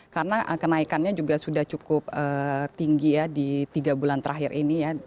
karena kenaikannya juga sudah cukup tinggi ya di tiga bulan terakhir ini ya